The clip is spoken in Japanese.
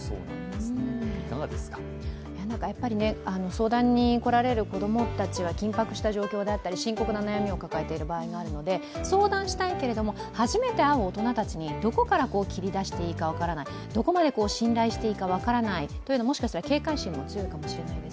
相談に来られる子どもたちは緊迫した状況だったり深刻な悩みを抱えている場合があるので、相談したいけれども初めて会う大人たちにどこから切り出していいか分からない、どこまで信頼していいか分からないという、もしかして警戒心も強いかもしれない。